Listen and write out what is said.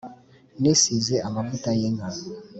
Nisize amavuta y’inka